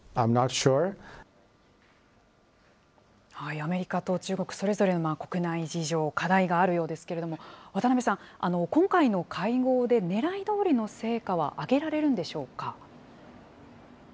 アメリカと中国、それぞれ国内事情、課題があるようですけれども、渡辺さん、今回の会合でねらいどおりの成果は上げられるんでしょうか。